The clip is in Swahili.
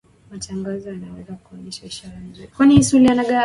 mtangazaji anaweza kuonesha ishara nzuri ya utangazaji